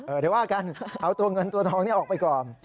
เดี๋ยวว่ากันเอาตัวเงินตัวทองนี้ออกไปก่อน